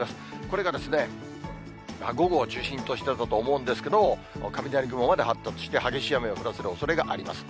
これが午後を中心としてだと思うんですけど、雷雲まで発達して激しい雨を降らせるおそれがあります。